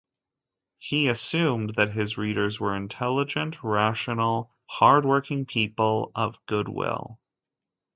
He assumed that his readers were intelligent, rational, hardworking people of good will.